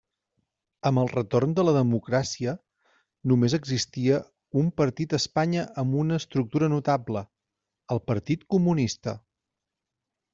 Amb el retorn de la democràcia, només existia un partit a Espanya amb una estructura notable: el Partit Comunista.